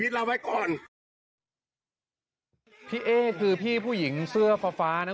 มีแมวกี่ตัวพี่อยู่ข้างในอ่ะ